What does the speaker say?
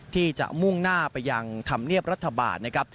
ที่จะมุ่งหน้าไปยังถามเรียบรัฐบาล